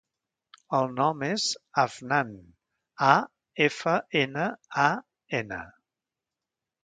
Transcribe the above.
El nom és Afnan: a, efa, ena, a, ena.